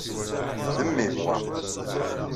D mmi-m, wa.